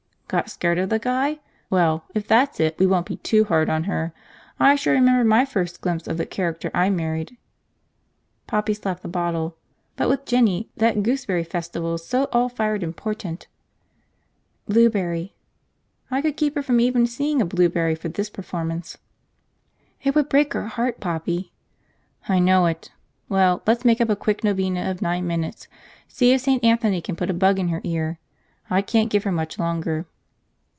"Got scared of the guy? Well, if that's it we won't be too hard on her. I sure remember my first glimpse of the character I married." Poppy slapped the bottle. "But with Jinny that Gooseberry Festival's so all fired important. ..." "Blueberry." "I could keep her from even seeing a blueberry, for this performance." "It would break her heart, Poppy!" "I know it. Well, let's make us a quick novena of nine minutes, see if St. Anthony can put a bug in her ear. I can't give her much longer."